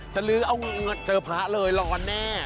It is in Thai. จะลื้อเอาเงินเจอพระเลยร้อนแน่